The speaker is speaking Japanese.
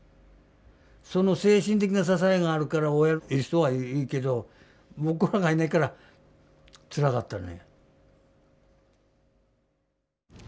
その精神的な支えがあるから親のいる人はいいけど僕らはいないからつらかったね。